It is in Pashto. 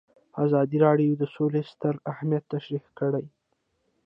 ازادي راډیو د سوله ستر اهميت تشریح کړی.